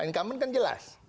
incumbent kan jelas